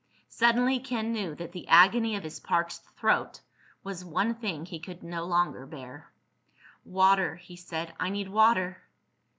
Suddenly Ken knew that the agony of his parched throat was one thing he could no longer bear. "Water," he said. "I need water."